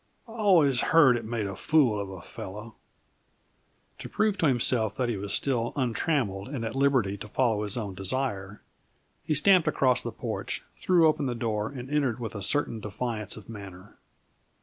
I always heard it made a fool of a fellow." To prove to himself that he was still untrammeled and at liberty to follow his own desire, he stamped across the porch, threw open the door, and entered with a certain defiance of manner.